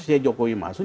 saya jokowi masuk